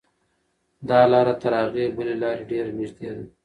دا لاره تر هغې بلې لارې ډېره نږدې ده.